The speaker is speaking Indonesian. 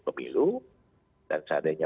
pemilu dan seandainya